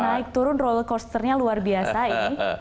naik turun rollercoasternya luar biasa ini